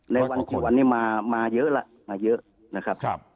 ในวันกี่วันนี้มาเยอะละมาเยอะนะครับ